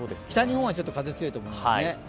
北日本はちょっと風、強いと思います。